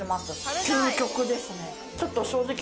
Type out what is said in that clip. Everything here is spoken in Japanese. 究極ですね。